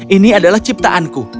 ini adalah ciptaanku